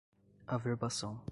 averbação